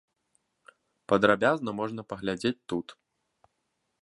Падрабязна можна паглядзець тут.